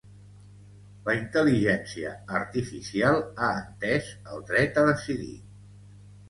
La intel·ligència artificial ha entès el dret a decidir